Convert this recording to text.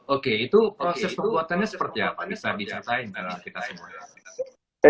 oke itu proses perkuatannya seperti apa bisa dicatain